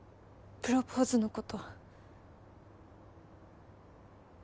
プロポーズのこと。